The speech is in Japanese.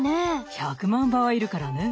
１００万羽はいるからねえ。